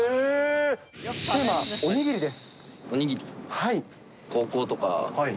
テーマはおにぎりです。